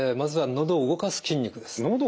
のどを動かす筋肉。